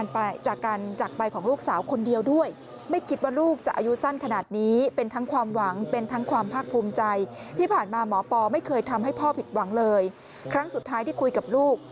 พ่อผิดหวังเลยครั้งสุดท้ายที่คุยกับลูก